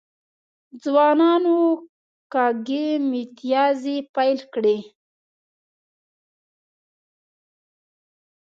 ځوانانو کږې میتیازې پیل کړي.